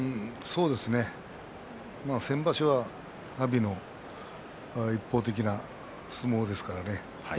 先場所は阿炎の一方的な相撲ですからね。